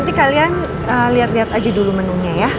nanti kalian liat liat aja dulu menunya ya